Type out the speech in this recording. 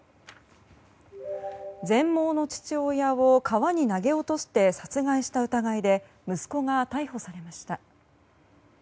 全盲の父親を川に投げ落として殺害した疑いで息子が逮捕されました。